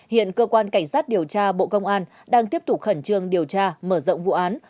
hiện cơ quan cảnh sát điều tra bộ công an đang tiếp tục khẩn trương điều tra mở rộng vụ án